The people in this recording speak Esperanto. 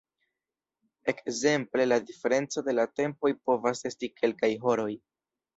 Ekzemple la diferenco de la tempoj povas esti kelkaj horoj.